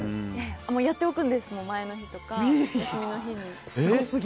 やっておくんです、前の日とか休みの日に。